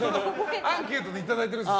アンケートでいただいているんです。